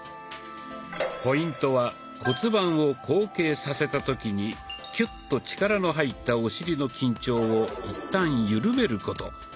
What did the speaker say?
ポイントは骨盤を後傾させた時にキュッと力の入ったお尻の緊張をいったんゆるめること。